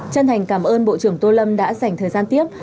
chân thành cảm ơn bộ trưởng tô lâm đã dành thời gian tiếp